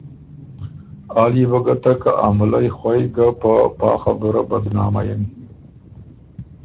آ ليې بو ګۀ تک که ا مُلئ خوئ ګه په پا خبُره بدنامئ اِن